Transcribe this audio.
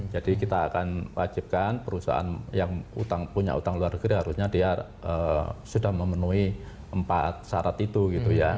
jadi kita akan wajibkan perusahaan yang punya hutang luar negeri harusnya dia sudah memenuhi empat syarat itu gitu ya